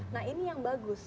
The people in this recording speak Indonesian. nah ini yang bagus